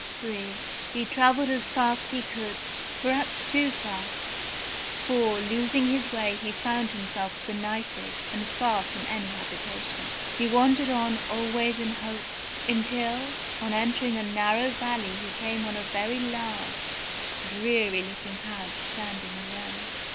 Ill He travelled as fast as he could ; perhaps too fast, for, losing his way he found himself benighted and far from any habitation. He wandered on always in hopes, until on entering a narrow valley he came on a very large, dreary looking house standing alone.